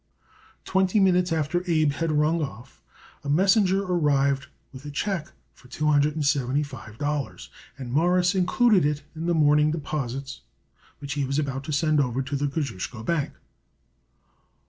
Twenty minutes after Abe had rung off a messenger arrived with a check for two hundred and seventy five dollars, and Morris included it in the morning deposits which he was about to send over to the Kosciusko Bank.